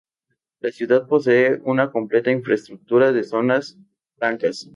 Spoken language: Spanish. La ciudad posee una completa infraestructura de zonas francas.